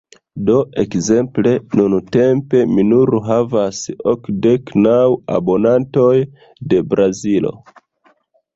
Do ekzemple nuntempe mi nur havas okdek naŭ abonantoj de Brazilo.